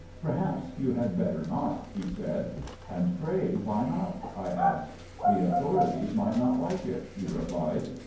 "Perhaps you had better not," he said. "And pray, why not?" I asked. "The authorities might not like it," he replied.